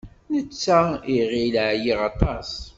Netta iɣil ɛyiɣ aṭas.